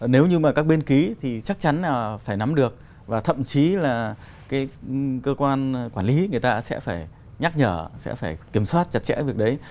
nếu như mà các bên ký thì chắc chắn là phải nắm được và thậm chí là cơ quan quản lý người ta sẽ phải nhắc nhở sẽ phải kiểm soát chặt chẽ việc đấy